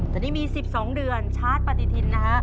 แต่นี่มี๑๒เดือนชาร์จปฏิทินนะฮะ